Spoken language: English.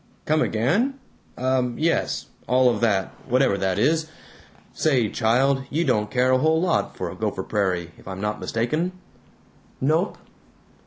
"Come again? Um. Yes. All of that, whatever that is. ... Say, child, you don't care a whole lot for Gopher Prairie, if I'm not mistaken." "Nope."